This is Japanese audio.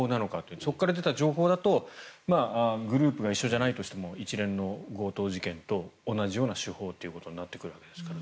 そこから出た情報だとグループが一緒じゃないとしても一連の強盗事件と同じような手法となってくるわけですからね。